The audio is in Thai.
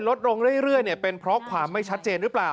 ลดลงเรื่อยเป็นเพราะความไม่ชัดเจนหรือเปล่า